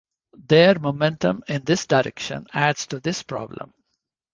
Their momentum in this direction adds to this problem.